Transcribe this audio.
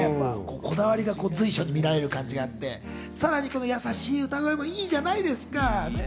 こだわりが随所に見られて、さらにやさしい歌声もいいじゃないですか。